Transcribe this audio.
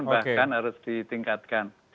bahkan harus ditingkatkan